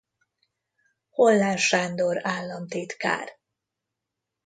Hollán Sándor államtitkár.